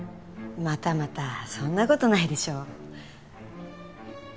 またまたそんなことないでしょう。